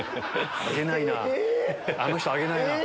あの人挙げないなぁ。